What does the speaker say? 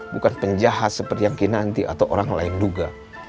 bukan penjahat seperti yang kinanti atau orang lain duga